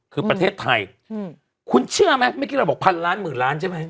คือประเทศไทยคุณเชื่อไหมเมื่อกี้เราบอกพันล้านหมื่นล้านใช่ไหม